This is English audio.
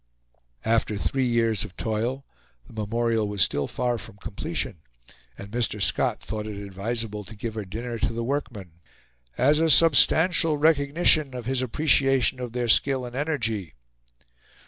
After three years of toil the memorial was still far from completion, and Mr. Scott thought it advisable to give a dinner to the workmen, "as a substantial recognition of his appreciation of their skill and energy."